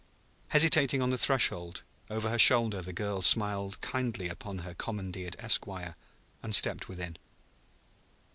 Hesitating on the threshold, over her shoulder the girl smiled kindly upon her commandeered esquire; and stepped within.